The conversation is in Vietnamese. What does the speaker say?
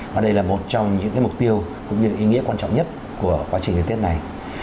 và đây là một trong những cái mục tiêu cũng như là ý nghĩa quan trọng nhất của quá trình liên tiết này